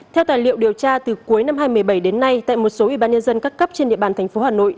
theo tài liệu điều tra từ cuối năm hai nghìn một mươi bảy đến nay tại một số ủy ban nhân dân cắp cắp trên địa bàn thành phố hà nội